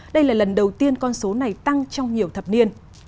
đây là lần đầu tiên con số này tăng trong nhiều thập niên